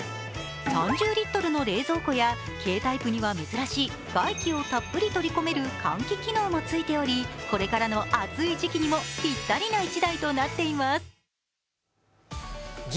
３０リットルの冷蔵庫や軽タイプには珍しい外気をたっぷり取り込める換気機能もついており、これからの暑い時期にもぴったりな１台となっています。